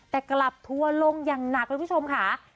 แต่กลับทัวร์ลงอย่างหนักเลยคุณผู้ชมค่ะ